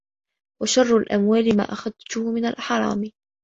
وَشَرُّ الْأَمْوَالِ مَا أَخَذْته مِنْ الْحَرَامِ